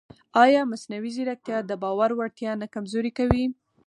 ایا مصنوعي ځیرکتیا د باور وړتیا نه کمزورې کوي؟